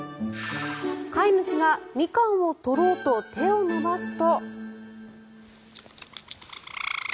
飼い主がミカンを取ろうと手を伸ばすと。